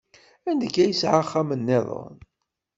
Anda akka yesɛa axxam nniḍen?